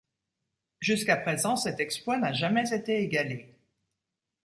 Jusqu'à présent, cet exploit n'a jamais été égalé.